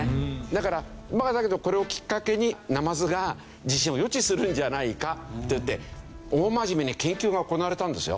だからだけどこれをきっかけにナマズが地震を予知するんじゃないかといって大真面目に研究が行われたんですよ。